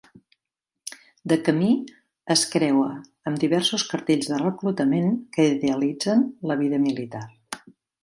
De camí, es creua amb diversos cartells de reclutament que idealitzen la vida militar.